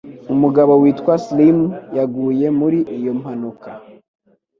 Umugabo witwa Slim yaguye muri iyo mpanuka.